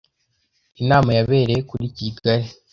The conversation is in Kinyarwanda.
inama yabereye kuri kigali